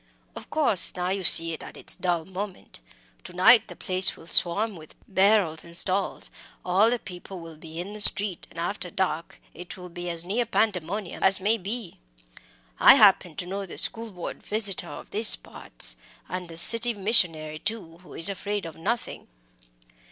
Of course, now you see it at its dull moment. To night the place will swarm with barrows and stalls, all the people will be in the street, and after dark it will be as near pandemonium as may be. I happen to know the School Board visitor of these parts; and a City Missionary, too, who is afraid of nothing."